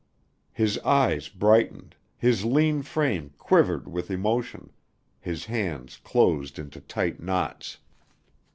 His eyes brightened, his lean frame quivered with emotion, his hands closed into tight knots.